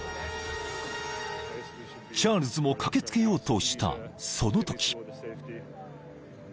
［チャールズも駆け付けようとしたそのとき］